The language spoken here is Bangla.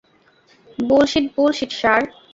বুলশিট বুলশিট ষাঁড়।